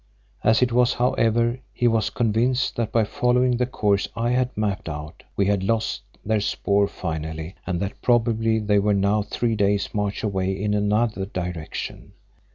As it was, however, he was convinced that by following the course I had mapped out we had lost their spoor finally and that probably they were now three days' march away in another direction.